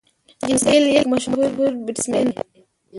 جیسن ګيل یک مشهور بيټسمېن دئ.